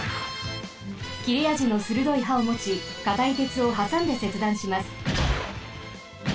きれあじのするどいはをもちかたいてつをはさんでせつだんします。